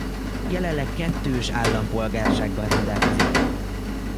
Jelenleg kettős állampolgársággal rendelkezik.